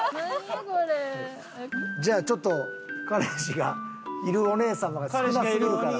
じゃあちょっと彼氏がいるお姉さんの方が少なすぎるから。